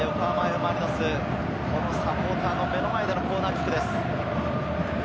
マリノス、サポーターの目の前でのコーナーキックです。